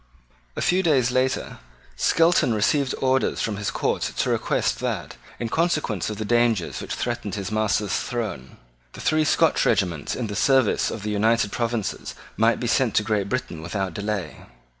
A few days later, Skelton received orders from his Court to request that, in consequence of the dangers which threatened his master's throne, the three Scotch regiments in the service of the United Provinces might be sent to Great Britain without delay.